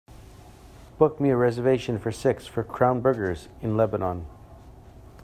Book me a reservation for six for Crown Burgers in Lebanon